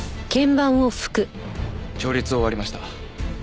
調律終わりました。